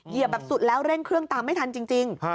แบบสุดแล้วเร่งเครื่องตามไม่ทันจริง